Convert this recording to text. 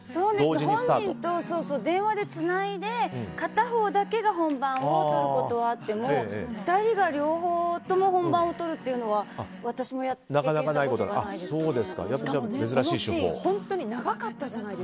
本人と電話でつないで片方だけが本番を撮ることはあっても２人が両方とも本番を撮るというのは私も経験したことないですね。